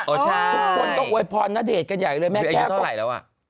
โอ้ใช่ทุกคนต้องโหยพรณเดชน์กันใหญ่เลยแม่แก้วไม่รู้ยังอยู่เท่าไหร่แล้วอะ